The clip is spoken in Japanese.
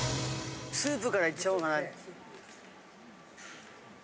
スープからいっちゃおうかな。